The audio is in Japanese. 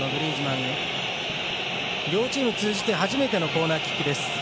両チーム通じて初めてのコーナーキックです。